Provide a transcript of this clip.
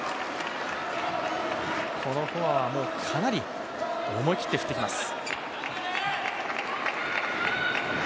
このフォアはかなり思い切って振ってきます。